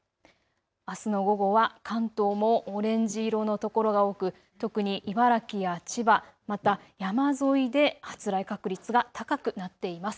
あすの午後は関東もオレンジ色の所が多く、特に茨城や千葉、また山沿いで発雷確率が高くなっています。